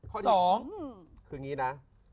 สองคืออย่างนี้นะ